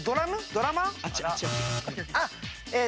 ドラマー？